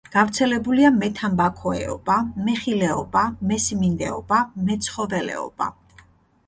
გავრცელებულია მეთამბაქოეობა, მეხილეობა, მესიმინდეობა, მეცხოველეობა.